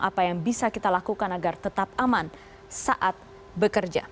apa yang bisa kita lakukan agar tetap aman saat bekerja